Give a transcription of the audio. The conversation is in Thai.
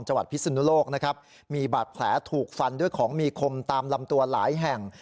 พิศนุโลกนะครับมีบาดแผลถูกฟันด้วยของมีคมตามลำตัวหลายแห่ง